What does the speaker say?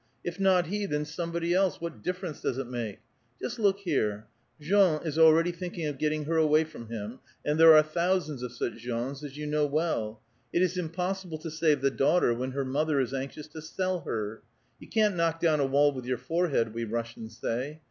If not he, then somebody else ; what dilference does it make? Just look here. Jean is already thinking of getting her away from him, and there are thousands of such Jeans, as you know well. It is impossible to save the daughter when her mother is anxious to sell her. ' You can't knock down a wall with your forehead,' we Russians say.